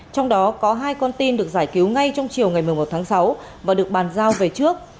trong đó có hai con tin được giải cứu ngay trong chiều ngày một mươi một tháng sáu và được bàn giao về trước